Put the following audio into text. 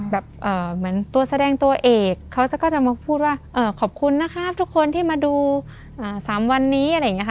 แบบเหมือนตัวแสดงตัวเอกเขาก็จะมาพูดว่าขอบคุณนะครับทุกคนที่มาดู๓วันนี้